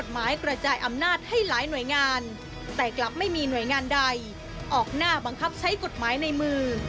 สำหรับไม่มีหน่วยงานใดออกหน้าบังคับใช้กฎหมายในมือ